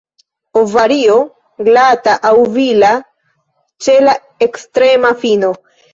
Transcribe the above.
Ovario glata aŭ vila ĉe la ekstrema fino.